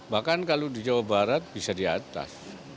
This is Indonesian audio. bahkan kalau di jawa barat bisa di atas